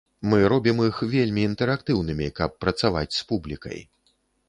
Мы робім іх вельмі інтэрактыўнымі, каб працаваць з публікай.